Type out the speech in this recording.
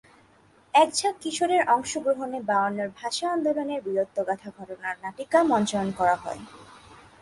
একঝাঁক কিশোরের অংশগ্রহণে বায়ান্নোর ভাষা আন্দোলনের বীরত্বগাথা ঘটনার নাটিকা মঞ্চায়ন করা হয়।